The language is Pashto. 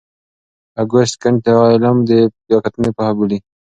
اګوست کُنت دا علم د بیا کتنې پوهه بولي.